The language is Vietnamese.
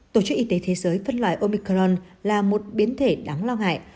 tổ chức y tế thế giới phân loại omicron là một biến thể đáng lo ngại